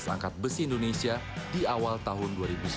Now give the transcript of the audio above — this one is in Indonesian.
angkat besi indonesia di awal tahun dua ribu sembilan belas